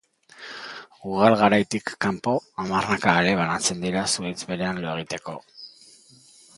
Ugal-garaitik kanpo hamarnaka ale batzen dira zuhaitz berean lo egiteko.